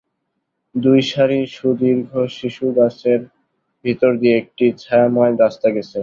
দুই সারি সুদীর্ঘ সিসুগাছের ভিতর দিয়া একটি ছায়াময় রাস্তা গেছে।